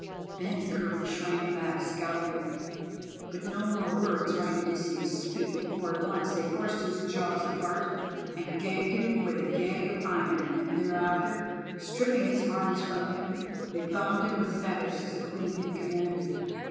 Then Kurri shrank back scowling. But no more words might Odysseus speak, for at once they forced his jaws apart and gagged him with a gag of iron; and thereafter, stripping his harness from him, they bound him with fetters as the Queen had commanded.